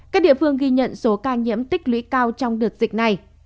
các địa phương ghi nhận số ca nhiễm tích lũy cao trong đợt dịch này